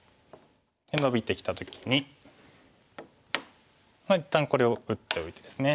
ノビてきた時に一旦これを打っておいてですね。